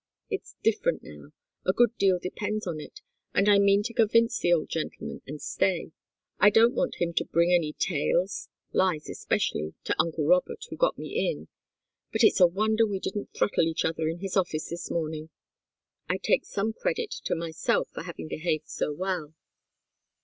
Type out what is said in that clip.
It's different now a good deal depends on it, and I mean to convince the old gentleman and stay. I don't want him to bring any tales lies, especially to uncle Robert, who got me in. But it's a wonder we didn't throttle each other in his office this morning. I take some credit to myself for having behaved so well.